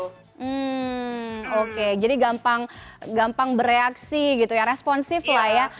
hmm oke jadi gampang bereaksi gitu ya responsif lah ya